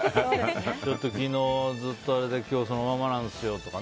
ちょっと昨日ずっとあれで今日、そのままなんですよって。